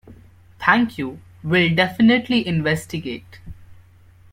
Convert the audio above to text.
Thank you. Will definitely investigate.